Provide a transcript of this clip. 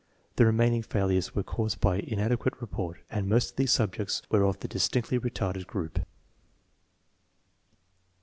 The remaining failures were caused by inadequate report, and most of these subjects were of the distinctly retarded group.